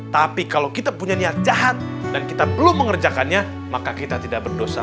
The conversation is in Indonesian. tapi kalau kita punya niat jahat dan kita belum mengerjakannya maka kita tidak berdosa